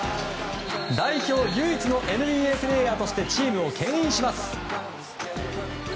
代表唯一のＮＢＡプレーヤーとしてチームを牽引します。